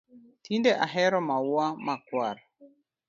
Tinde ahero maua ma rakwar